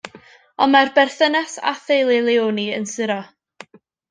Ond mae'r berthynas â theulu Leone yn suro.